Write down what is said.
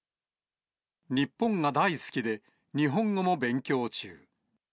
日本が大好きで、日本語も勉強中。